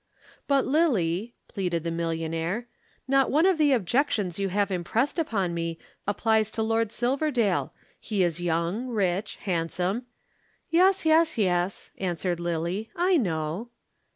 "But, Lillie," pleaded the millionaire, "not one of the objections you have impressed upon me applies to Lord Silverdale. He is young, rich, handsome " "Yes, yes, yes," answered Lillie, "I know."